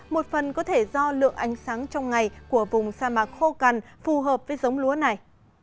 một phần có thể do lượng ánh sáng trong ngày của vùng sa mạc khô cằn phù hợp với giống lúa này